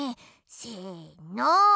せの。